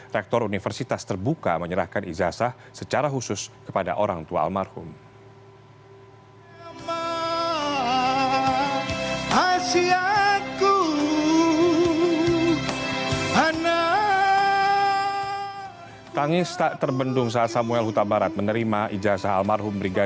rektor universitas terbuka menyerahkan izasa secara khusus kepada orang tua almarhum